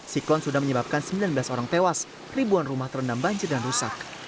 siklon sudah menyebabkan sembilan belas orang tewas ribuan rumah terendam banjir dan rusak